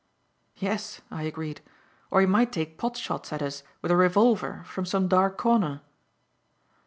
"Yes," I agreed; "or he might take pot shots at us with a revolver from some dark corner."